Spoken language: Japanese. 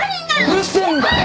うるせえんだよ。